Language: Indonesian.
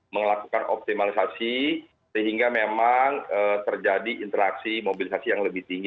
melakukan optimalisasi sehingga memang terjadi interaksi mobilisasi yang lebih tinggi